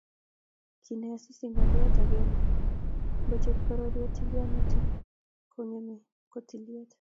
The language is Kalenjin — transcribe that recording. Kinai Asisi ngolyot agenge, ngochut boriet tilyanutik konekiomee ko tilyet